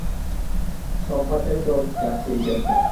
সব বাচ্চারাই তো যাচ্ছে এই ক্যাম্পে।